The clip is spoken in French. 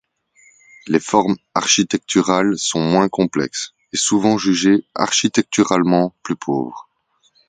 Les formes architecturales sont moins complexes, et souvent jugées architecturalement plus pauvres.